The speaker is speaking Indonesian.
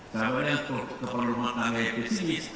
sama dengan keperluan tangga pesimis